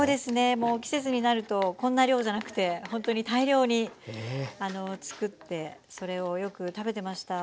もう季節になるとこんな量じゃなくてほんとに大量に作ってそれをよく食べてました。